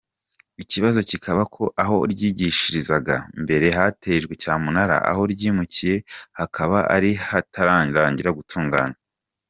Ikibazo kikaba ko aho ryigishirizaga mbere hatejwe cyamunara, aho ryimukiye hakaba hari hatararangira gutunganywa.